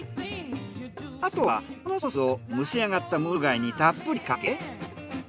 あとはこのソースを蒸しあがったムール貝にたっぷりかけ。